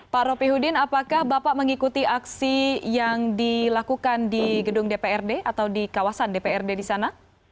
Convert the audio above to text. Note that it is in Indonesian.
pak ropi hudin apakah bapak mengikuti aksi yang dilakukan di gedung dprd atau di kawasan dprd di sana